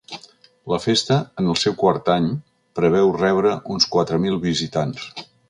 La festa, en el seu quart any, preveu rebre uns quatre mil visitants.